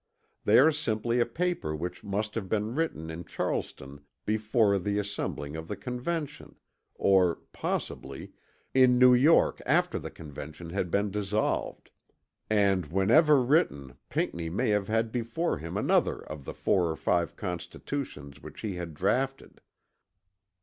They are simply a paper which may have been written in Charleston before the assembling of the Convention, or (possibly) in New York after the Convention had been dissolved, and whenever written Pinckney may have had before him another of the four or five constitutions which he had draughted.